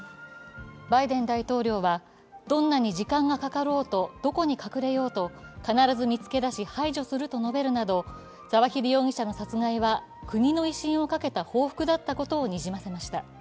バイデン大統領はどんなに時間がかかろうと、どこに隠れようと、必ず見つけ出し排除すると述べるなどザワヒリ容疑者の殺害は国の威信をかけた報復だったことをにじませました。